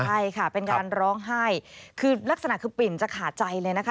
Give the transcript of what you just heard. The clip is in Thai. ใช่ค่ะเป็นการร้องไห้คือลักษณะคือปิ่นจะขาดใจเลยนะคะ